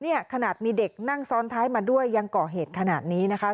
ขนาดมีเด็กนั่งซ้อนท้ายมาด้วยยังก่อเหตุขนาดนี้นะคะ